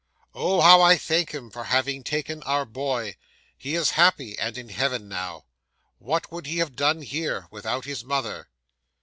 Oh! how I thank Him for having taken our boy! He is happy, and in heaven now. What would he have done here, without his mother!"